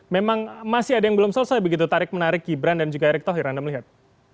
memang masih ada yang belum selesai begitu tarik menarik gibran dan juga erick thohir anda melihat